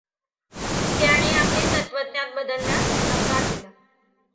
त्याने आपले तत्त्वज्ञान बदलण्यास नकार दिला.